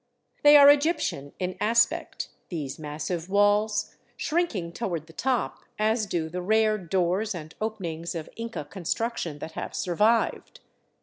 They are Egyptian in aspect, these massive walls, shrinking toward the top, as do the rare doors and openings of Inca construc tion that have survived.